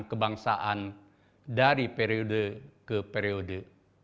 dan kebangsaan dari periode ke periode